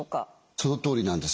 そのとおりなんです。